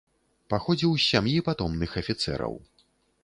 Паходзіў з сям'і патомных афіцэраў.